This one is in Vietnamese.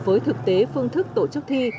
với thực tế phương thức tổ chức thi